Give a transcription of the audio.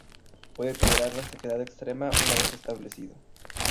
Puede tolerar la sequedad extrema una vez establecido.